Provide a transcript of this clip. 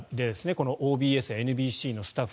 このＯＢＳ、ＮＢＣのスタッフ